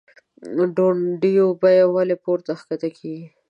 دونډیو بیه ولۍ پورته کښته کیږي؟